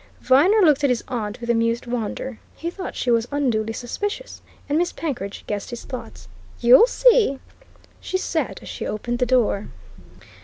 Viner looked at his aunt with amused wonder. He thought she was unduly suspicious, and Miss Penkridge guessed his thoughts. "You'll see," she said as she opened the door.